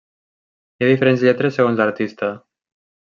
Hi ha diferents lletres segons l'artista.